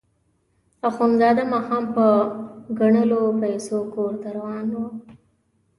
اخندزاده ماښام په ګڼلو پیسو کور ته روان وو.